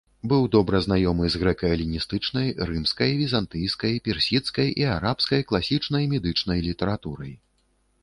Быў добра знаёмы з грэка-эліністычнай, рымскай, візантыйскай, персідскай і арабскай класічнай медычнай літаратурай.